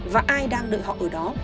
và ai đang đợi họ ở đó